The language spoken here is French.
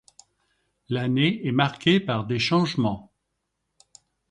L'année est marquée par des changements.